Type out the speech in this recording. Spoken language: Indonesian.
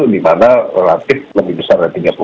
di mana relatif lebih besar dari tiga puluh